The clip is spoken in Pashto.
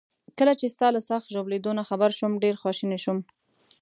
کله چي ستا له سخت ژوبلېدو نه خبر شوم، ډیر خواشینی شوم.